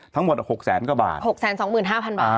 ทั้งหมด๖แสนกว่าบาท๖๒๕๐๐บาท